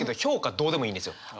どうでもいいんですよ。